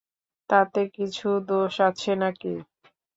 তাতে কিছু দোষ আছে নাকি!